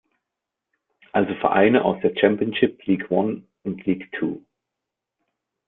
Also Vereine aus der Championship, League One und League Two.